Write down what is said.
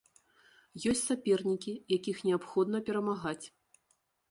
Ёсць сапернікі, якіх неабходна перамагаць.